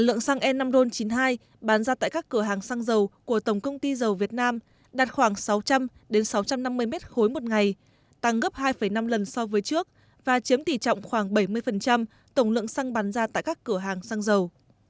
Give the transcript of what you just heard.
lượng xăng e năm ron chín mươi hai bán ra tại các cửa hàng xăng dầu của tổng công ty dầu việt nam đạt khoảng sáu trăm linh sáu trăm năm mươi m ba một ngày tăng gấp hai năm lần so với trước và chiếm tỷ trọng khoảng bảy mươi tổng lượng xăng bán ra tại các cửa hàng xăng dầu